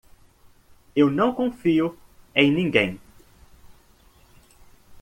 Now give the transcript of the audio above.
Eu não confio em ninguém.